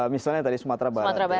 misalnya tadi sumatera barat